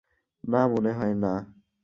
না, মনে হয় না।